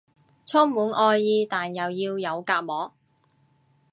充滿愛意但又要有隔膜